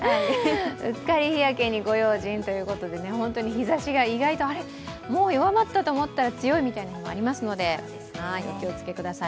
うっかり日焼けにご用心ということで、日ざしがあれ、もう弱まったとなったら、強いこともありますのでお気をつけください。